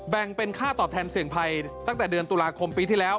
เป็นค่าตอบแทนเสี่ยงภัยตั้งแต่เดือนตุลาคมปีที่แล้ว